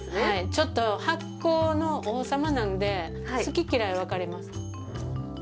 ちょっと、発酵の王様なんで、好き嫌い、分かれます。